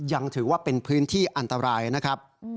ยังถือว่าเป็นพื้นที่อันตรายนะครับ